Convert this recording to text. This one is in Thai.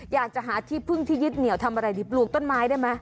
อยากจะหาที่พึ่งที่ยึดเหนียวทำอะไรดีปลูกต้นไม้ได้ไหม